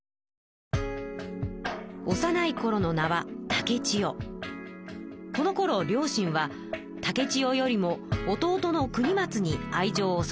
おさないころの名はこのころ両親は竹千代よりも弟の国松に愛情を注いでいました。